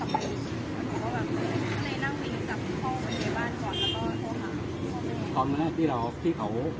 ตอนนี้กำหนังไปคุยของผู้สาวว่ามีคนละตบ